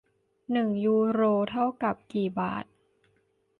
หนึ่งยูโรเท่ากับกี่บาท